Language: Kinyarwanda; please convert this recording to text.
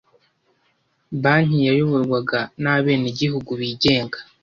Banki yayoborwaga nabenegihugu bigenga.